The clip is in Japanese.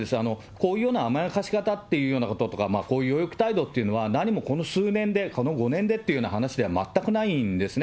こういうような甘やかし型っていうようなこととか、こういう養育態度というのは、何もこの数年で、この５年でっていう話では全くないんですね。